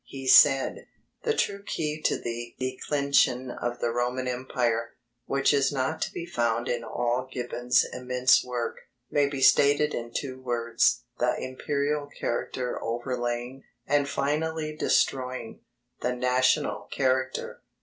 He said: The true key to the declension of the Roman Empire which is not to be found in all Gibbon's immense work may be stated in two words: the imperial character overlaying, and finally destroying, the national character.